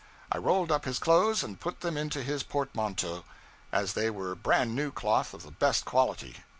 I rolled up his clothes and put them into his portmanteau, as they were brand new cloth of the best quality.